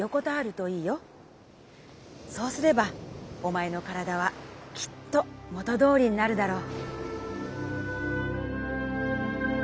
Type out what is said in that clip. そうすればおまえの体はきっと元どおりになるだろう』」。